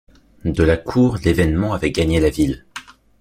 De la cour l’événement avait gagné la ville.